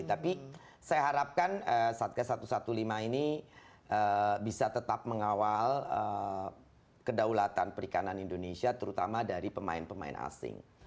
tapi saya harapkan satgas satu ratus lima belas ini bisa tetap mengawal kedaulatan perikanan indonesia terutama dari pemain pemain asing